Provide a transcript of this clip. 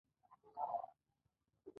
د قرآن مبارکه آیتونه د هدایت سرچینه دي.